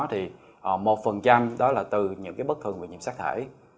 thì một đó là từ những cái bất thường về nhiễm sắc thải